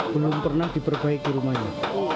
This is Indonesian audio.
belum pernah diperbaiki rumahnya